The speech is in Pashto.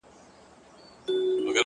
چا ويل چي ستا تر تورو زلفو پرېشان هم يم”